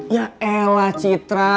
ya elah citra